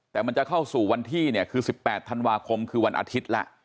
แต่มันจะเข้าสู่วันที่เนี่ยคือ๑๘ธันวาคมคือวันอาทิตย์แล้ว